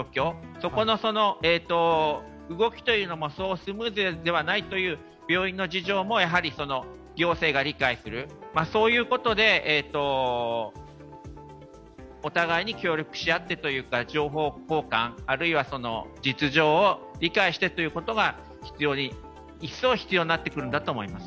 そこの動きもそうスムーズではないという病院の事情も行政が理解する、そういうことでお互いに協力し合ってというか情報交換、あるいは実情を理解してということが一層必要になってくると思います。